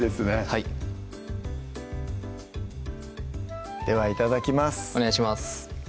はいではいただきますお願いします